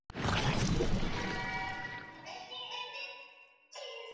Ya kukamatwa na mapolisi na kuanza kumpa kipigo kisichokuwa na kifani